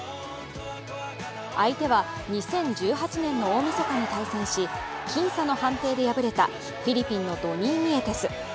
相手は２０１８年の大みそかに対戦し僅差の判定で敗れたフィリピンのドニー・ニエテス。